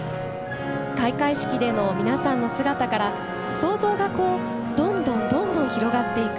開会式での皆さんの姿から想像がどんどん、どんどん広がっていく。